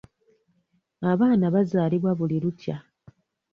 Abaana bazaalibwa buli lukya.